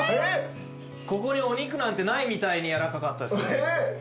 ここにお肉なんてないみたいにやわらかかったです。